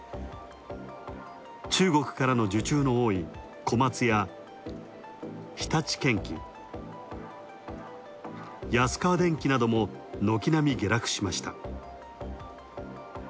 中国からの受注の多い、コマツや日立建機、安川電機なども軒並み下落しました。